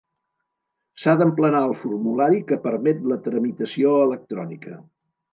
S'ha d'emplenar el formulari que permet la tramitació electrònica.